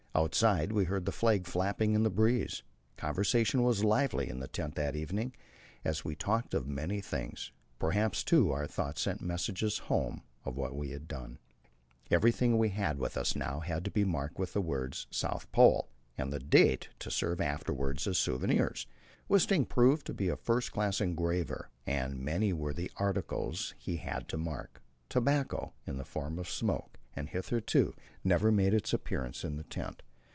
Outside we heard the flag flapping in the breeze. Conversation was lively in the tent that evening, and we talked of many things. Perhaps, too, our thoughts sent messages home of what we had done. Everything we had with us had now to be marked with the words "South Pole" and the date, to serve afterwards as souvenirs. Wisting proved to be a first class engraver, and many were the articles he had to mark. Tobacco in the form of smoke had hitherto never made its appearance in the tent.